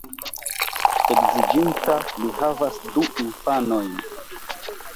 Edziĝinta, li havas du infanojn.